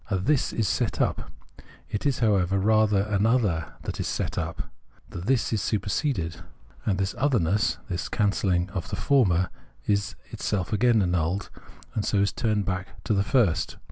A This is set up ; it is, however, rather an other tliat is set up ; the This is superseded : and this otherness, this cancelhng of the former, is itself again annulled, and so turned back to the first.